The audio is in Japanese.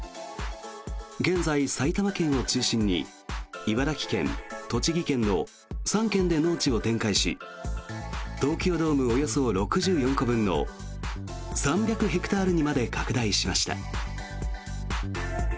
現在、埼玉県を中心に茨城県、栃木県の３県で農地を展開し東京ドームおよそ６４個分の３００ヘクタールにまで拡大しました。